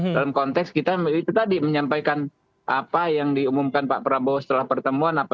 dalam konteks kita itu tadi menyampaikan apa yang diumumkan pak prabowo setelah pertemuan